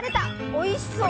おいしそう！